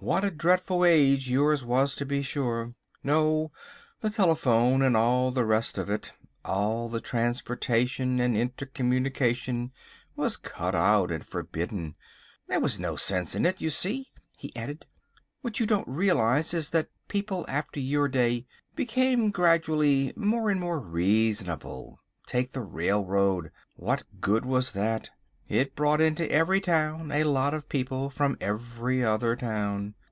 What a dreadful age yours was, to be sure. No, the telephone and all the rest of it, all the transportation and intercommunication was cut out and forbidden. There was no sense in it. You see," he added, "what you don't realise is that people after your day became gradually more and more reasonable. Take the railroad, what good was that? It brought into every town a lot of people from every other town.